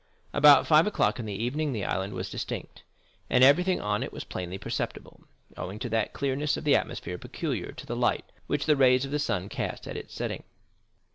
About five o'clock in the evening the island was distinct, and everything on it was plainly perceptible, owing to that clearness of the atmosphere peculiar to the light which the rays of the sun cast at its setting.